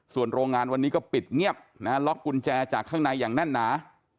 ส่วนโรงงานวันนี้ก็ปิดเงียบนะฮะล็อกกุญแจจากข้างในอย่างแน่นหนา